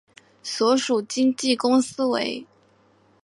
所属经纪公司为。